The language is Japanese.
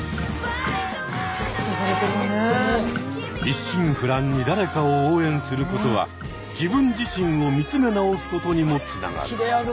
一心不乱に誰かを応援することは自分自身を見つめ直すことにもつながる。